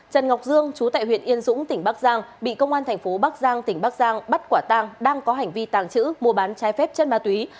trần ngọc dương chú tại huyện yên dũng tỉnh bắc giang bị công an thành phố bắc giang tỉnh bắc giang bắt quả tang đang có hành vi tàng trữ mua bán trái phép chất ma túy